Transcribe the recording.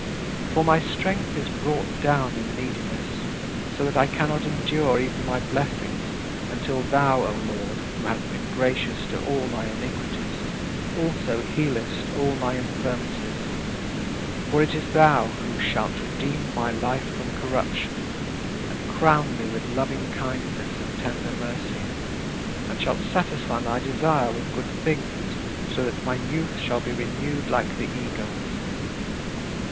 For my strength is brought down in neediness, so that I cannot endure even my blessings until thou, O Lord, who hast been gracious to all my iniquities, also healest all my infirmities for it is thou who "shalt redeem my life from corruption, and crown me with loving kindness and tender mercy, and shalt satisfy my desire with good things so that my youth shall be renewed like the eagle's."